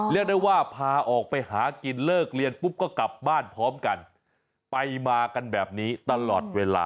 เรียกได้ว่าพาออกไปหากินเลิกเรียนปุ๊บก็กลับบ้านพร้อมกันไปมากันแบบนี้ตลอดเวลา